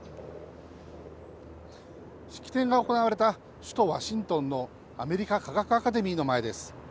式典が行われた首都ワシントンのアメリカ科学アカデミーの前です。